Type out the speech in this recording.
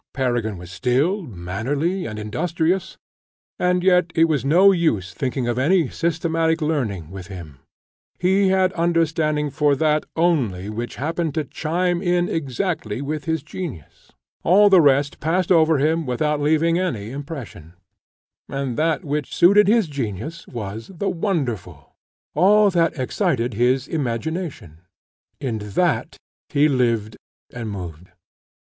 Peregrine was still, mannerly, and industrious, and yet it was no use thinking of any systematic learning with him; he had understanding for that only which happened to chime in exactly with his genius; all the rest passed over him without leaving any impression: and that which suited his genius was the wonderful, all that excited his imagination; in that he lived and moved.